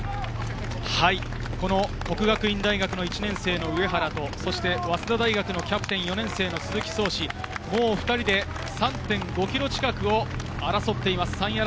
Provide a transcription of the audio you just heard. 國學院大學の１年生の上原と早稲田大学のキャプテン・４年生の鈴木創士、２人で３．５ｋｍ近くを争っています。